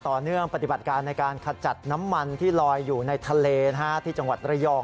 ปฏิบัติการในการขจัดน้ำมันที่ลอยอยู่ในทะเลที่จังหวัดระยอง